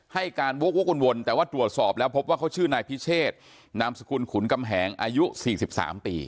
ให้การวกวนแต่ว่าตรวจสอบแล้วพบว่าเขาชื่อนายพิเชษนามสกุลขุนกำแหงอายุ๔๓ปี